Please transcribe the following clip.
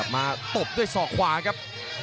ตบด้วยศอกขวาครับ